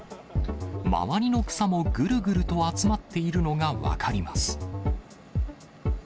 周りの草もぐるぐると集まっているのが分かります。